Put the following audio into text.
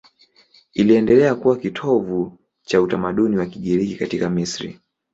Iliendelea kuwa kitovu cha utamaduni wa Kigiriki katika Misri.